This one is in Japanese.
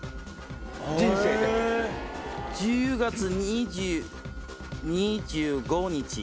１０月２５日？